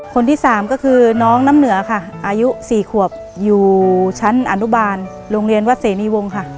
คนที่สามก็คือน้องน้ำเหนือค่ะอายุ๔ขวบอยู่ชั้นอนุบาลโรงเรียนวัดเสนีวงค่ะ